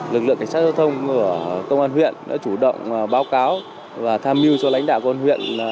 lực lượng cảnh sát giao thông của công an huyện đã chủ động báo cáo và tham mưu cho lãnh đạo công an huyện